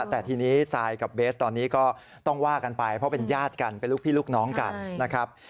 แต่ทีนี้ซายกับเบสตอนนี้ก็ต้องว่ากันไปเพราะเป็นญาติกันเป็นลูกพี่ลูกน้องกันนะครับ